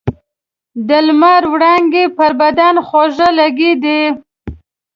د لمر وړانګې پر بدن خوږې لګېدې.